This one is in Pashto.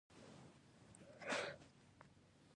د کیمیاوي تعاملونو معادلې تکمیلې کړئ.